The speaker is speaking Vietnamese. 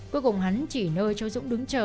cuối cùng hắn chỉ nơi chó dũng đứng chờ